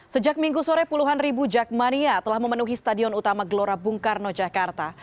sejak minggu sore puluhan ribu jakmania telah memenuhi stadion utama gelora bung karno jakarta